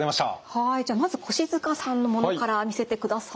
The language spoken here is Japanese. はいじゃまず越塚さんのものから見せてください。